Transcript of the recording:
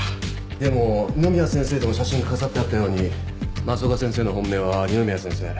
でも二宮先生との写真が飾ってあったように増岡先生の本命は二宮先生。